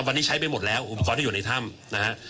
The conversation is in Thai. วันนี้ใช้ไปหมดแล้วอุปกรณ์ที่อยู่ในถ้ำนะฮะ